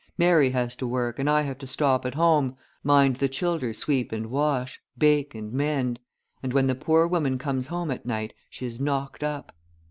Mary has to work and I have to stop at home, mind the childer sweep and wash, bake and mend; and, when the poor woman comes home at night, she is knocked up.